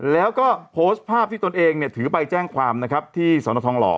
แล้วก็โพสต์ภาพที่ตนเองเนี่ยถือใบแจ้งความนะครับที่สนทองหล่อ